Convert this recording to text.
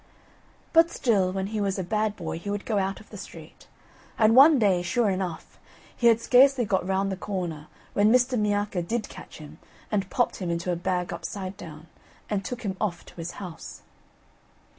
But still when he was a bad boy he would go out of the street; and one day, sure enough, he had scarcely got round the corner, when Mr. Miacca did catch him and popped him into a bag upside down, and took him off to his house.